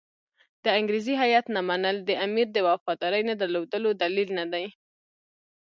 د انګریزي هیات نه منل د امیر د وفادارۍ نه درلودلو دلیل نه دی.